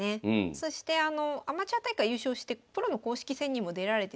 そしてあのアマチュア大会優勝してプロの公式戦にも出られてたりするので。